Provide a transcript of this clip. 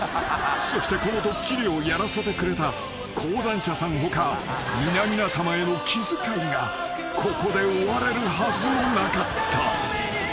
［そしてこのドッキリをやらせてくれた講談社さん他皆々さまへの気遣いがここで終われるはずもなかった］